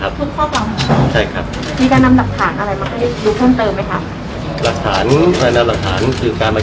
พี่แจงในประเด็นที่เกี่ยวข้องกับความผิดที่ถูกเกาหา